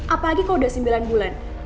apalagi kalau udah sembilan bulan